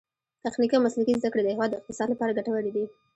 تخنیکي او مسلکي زده کړې د هیواد د اقتصاد لپاره ګټورې دي.